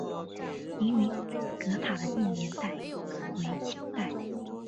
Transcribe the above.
凌云阁塔的历史年代为清代。